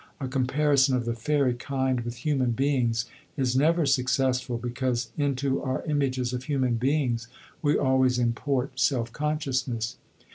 A comparison of the fairy kind with human beings is never successful, because into our images of human beings we always import self consciousness.